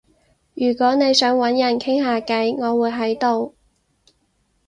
如果你想搵人傾下偈，我會喺度